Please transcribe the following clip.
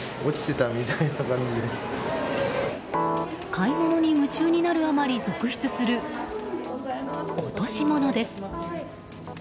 買い物に夢中になるあまり続出する落とし物です。